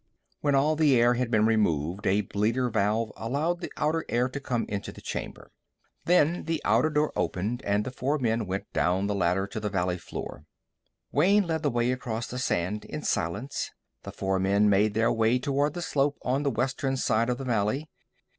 When all the air had been removed, a bleeder valve allowed the outer air to come into the chamber. Then the outer door opened, and the four men went down the ladder to the valley floor. Wayne led the way across the sand in silence. The four men made their way toward the slope on the western side of the valley.